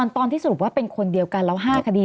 ตอนที่สรุปว่าเป็นคนเดียวกันแล้ว๕คดี